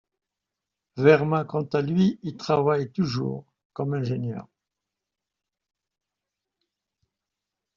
Verma quant à lui y travaille toujours, comme ingénieur.